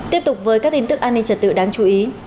tiếp tục với các tin tức an ninh trật tự đáng chú ý